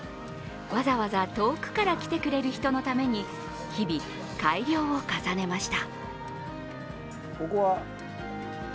わざわざ遠くから来てくれる人のために、日々、改良を重ねました。